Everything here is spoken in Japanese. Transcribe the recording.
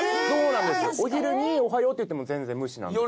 お昼に「おはよう」って言っても全然無視なんです。